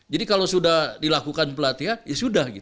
jadi kalau sudah dilakukan pelatihan ya sudah selesai